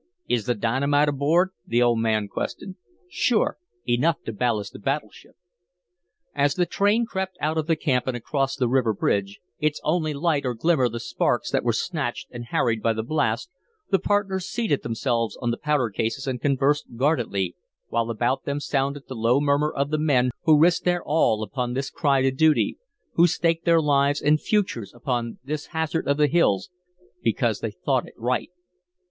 "Is the dynamite aboard?" the old man questioned. "Sure. Enough to ballast a battle ship." As the train crept out of the camp and across the river bridge, its only light or glimmer the sparks that were snatched and harried by the blast, the partners seated themselves on the powder cases and conversed guardedly, while about them sounded the low murmur of the men who risked their all upon this cry to duty, who staked their lives and futures upon this hazard of the hills, because they thought it right.